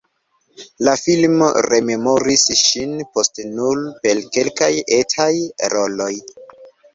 La filmo rememoris ŝin poste nur per kelkaj etaj roloj.